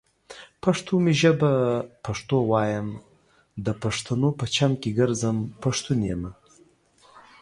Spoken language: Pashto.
پښتو می ژبه پښتو وايم، دا پښتنو په چم کې ګرځم ، پښتون يمه